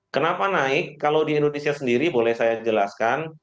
kenapa naik kalau di indonesia sendiri boleh saya jelaskan